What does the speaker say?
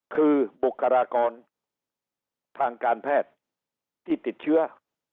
คือบุคลากรทางการแพทย์ที่ติดเชื้อ